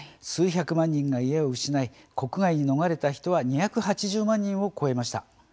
数百万人が家を失い国外に逃れた人は２８０万人を超えました。